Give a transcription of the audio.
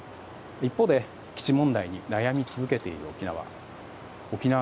一方で基地問題に悩み続けている沖縄。